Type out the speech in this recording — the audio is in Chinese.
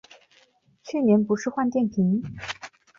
去年不是换电瓶